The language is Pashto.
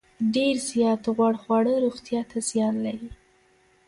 ډیر زیات غوړ خواړه روغتیا ته زیان لري.